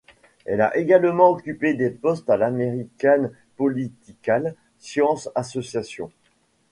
Elle a également occupé des postes à l'American Political Science Association.